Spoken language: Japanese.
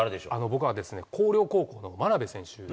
僕は広陵高校の真鍋選手。